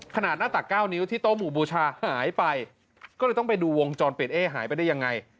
ขนาดหน้าตัก๙นิ้วที่โต๊หมู่บูชาหายไปก็เลยต้องไปดูวงจรปิดเอ๊ะหายไปได้ยังไง